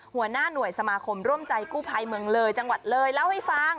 หัวหน้าหน่วยสมาคมร่วมใจกู้ภัยเมืองเลยจังหวัดเลยเล่าให้ฟัง